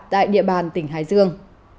tại địa bàn tỉnh hải dương